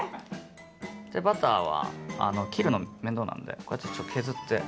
バターは切るの面倒なんでこうやってちょっと削って。